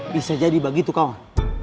bisa jadi begitu kawan